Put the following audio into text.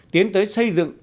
tiến tới xây dựng